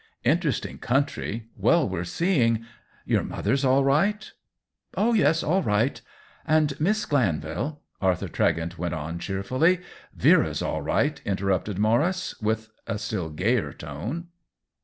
'' "Interesting country — well worth seeing. Your mother's all right ?"" Oh, yes, all right. And Miss Glanvil —" Arthur Tregent went on, cheerfully. " Vera's all right ?" interrupted Maurice, with a still gayer tone.